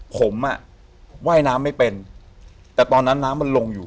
ผมอ่ะว่ายน้ำไม่เป็นแต่ตอนนั้นน้ำมันลงอยู่